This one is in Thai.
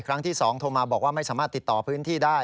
ครั้งที่๒โทรมาบอกว่าไม่สามารถติดต่อพื้นที่ได้